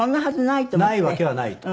ないわけはないと。